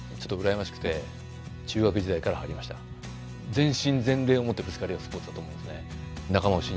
全身全霊をもってぶつかり合うスポーツだと思うんですよね。